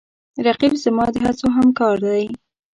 رقیب زما د هڅو همکار دی